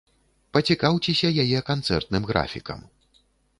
Пацікаўцеся яе канцэртным графікам!